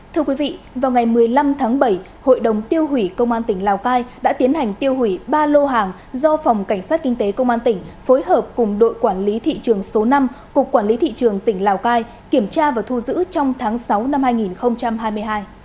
thưa quý vị vào ngày một mươi năm tháng bảy hội đồng tiêu hủy công an tỉnh lào cai đã tiến hành tiêu hủy ba lô hàng do phòng cảnh sát kinh tế công an tỉnh phối hợp cùng đội quản lý thị trường số năm cục quản lý thị trường tỉnh lào cai kiểm tra và thu giữ trong tháng sáu năm hai nghìn hai mươi hai